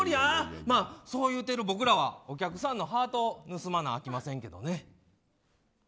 そう言うてる僕らはお客さんのハートを盗まなあきまへんけどね。